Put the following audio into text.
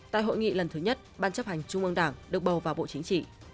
tại hội nghị lần thứ nhất ban chấp hành trung ương đảng được bầu vào bộ chính trị